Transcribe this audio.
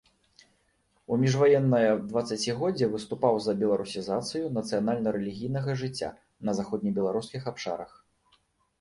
У міжваеннае дваццацігоддзе выступаў за беларусізацыю нацыянальна-рэлігійнага жыцця на заходнебеларускіх абшарах.